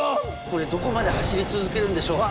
これどこまで走り続けるんでしょう？